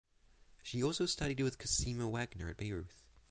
She also studied with Cosima Wagner at Bayreuth.